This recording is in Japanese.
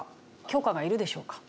許可がいるでしょうか？